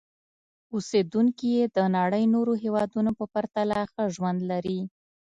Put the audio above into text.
اوسېدونکي یې د نړۍ نورو هېوادونو په پرتله ښه ژوند لري.